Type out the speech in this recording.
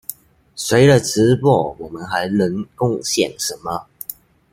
除了直播，我們還能貢獻什麼？